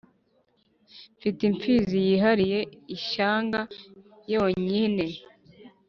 Mfite imfizi yihariye ishyanga yonyine